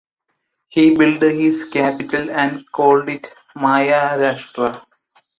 He built his capital and called it "Maya Rashtra".